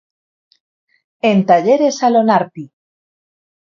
En Talleres Alonarti.